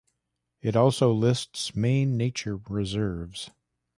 It also lists main nature reserves.